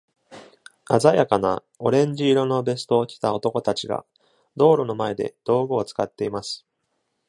鮮やかなオレンジ色のベストを着た男たちが、道路の前で道具を使っています。